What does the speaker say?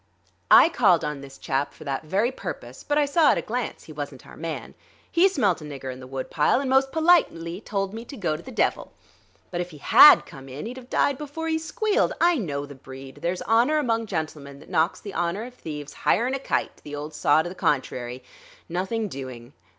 I called on this chap for that very purpose; but I saw at a glance he wasn't our man. He smelt a nigger in the woodpile and most politely told me to go to the devil. But if he had come in, he'd've died before he squealed. I know the breed; there's honor among gentlemen that knocks the honor of thieves higher'n a kite, the old saw to the contrary nothing doing....